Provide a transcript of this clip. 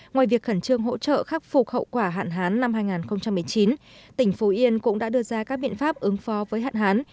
ngoài việc khẩn trương hỗ trợ khắc phục hậu quả hạn hán năm hai nghìn một mươi chín tỉnh phú yên cũng đã đưa ra các biện pháp ứng phó với hạn hán